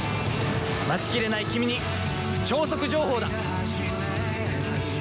待ちきれないキミに超速情報だ！